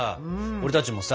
俺たちもさ